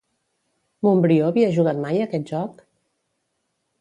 Montbrió havia jugat mai a aquest joc?